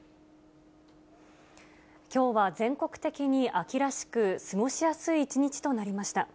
きょうは全国的に秋らしく、過ごしやすい一日となりました。